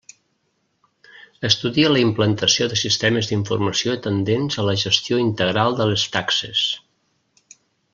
Estudia la implantació de sistemes d'informació tendents a la gestió integral de les taxes.